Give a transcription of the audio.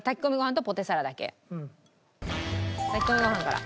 炊き込みご飯から。